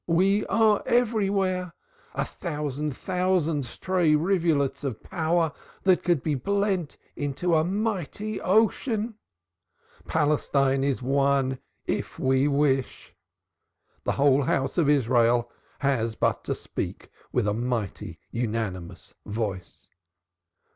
We are everywhere a thousand thousand stray rivulets of power that could be blent into a mighty ocean. Palestine is one if we wish the whole house of Israel has but to speak with a mighty unanimous voice.